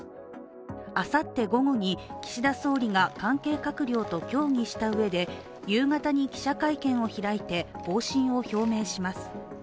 あさって午後に岸田総理が関係閣僚と協議したうえで、夕方に記者会見を開いて方針を表明します。